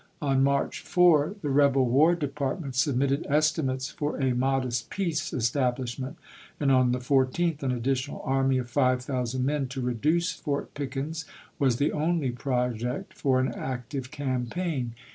On March 4, the rebel War Department submitted estimates for a modest peace establish ment, and on the l lth an additional army of five reasto thousand men to reduce Fort Pickens was the MaiaMsei. only project for an active campaign.